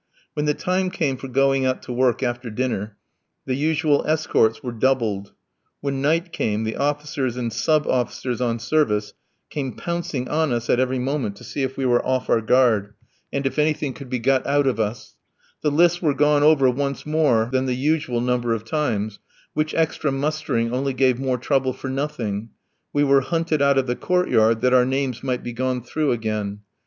When the time came for going out to work after dinner the usual escorts were doubled. When night came, the officers and sub officers on service came pouncing on us at every moment to see if we were off our guard, and if anything could be got out of us; the lists were gone over once more than the usual number of times, which extra mustering only gave more trouble for nothing; we were hunted out of the court yard that our names might be gone through again.